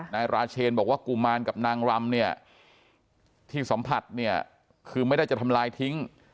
นายราเชนบอกว่ากุมารกับนางรำเนี่ยที่สัมผัสเนี่ยคือไม่ได้จะทำลายทิ้ง